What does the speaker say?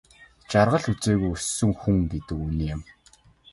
Жаргал үзээгүй өссөн хүн гэдэг үнэн юм.